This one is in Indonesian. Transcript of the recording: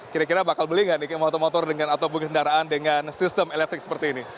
kira kira bakal beli nggak nih motor motor atau pengendaraan dengan sistem elektrik seperti ini